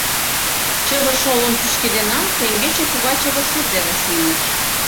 — Чыве шолым пӱчкеденам, теҥгече кува чыве шӱр дене сийлыш.